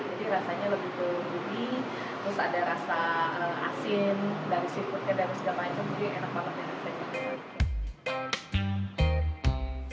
jadi rasanya lebih terungguli terus ada rasa asin dari seafoodnya dan segala macam jadi enak banget rasanya